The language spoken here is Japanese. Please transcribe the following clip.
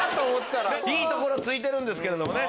いいところ突いてるんですけども。